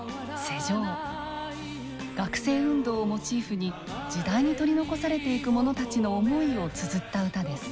学生運動をモチーフに時代に取り残されていく者たちの思いをつづった歌です。